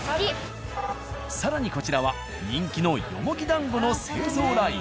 更にこちらは人気のよもぎ団子の製造ライン。